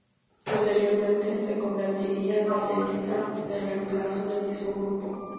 Posteriormente se convertiría en baterista de reemplazo del mismo grupo.